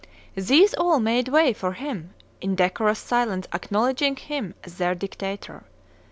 These all made way for him, in decorous silence acknowledg ing him as their dictator.